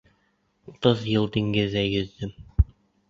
— Утыҙ йыл диңгеҙҙә йөҙҙөм.